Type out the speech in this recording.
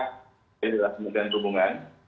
ini adalah sebuah hubungan